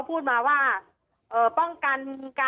มันเป็นอาหารของพระราชา